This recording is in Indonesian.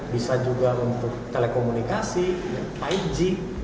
bisa juga untuk telekomunikasi ig